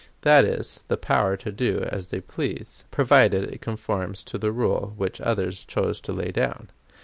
That is, the power to do as they please, provided it conforms to the rule which others chose to lay down!